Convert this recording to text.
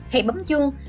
hãy bấm chuông